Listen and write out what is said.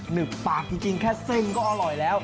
ึบปากจริงแค่เส้นก็อร่อยแล้ว